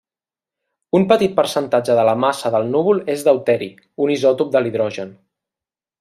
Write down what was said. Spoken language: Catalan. Un petit percentatge de la massa del núvol és deuteri, un isòtop de l'hidrogen.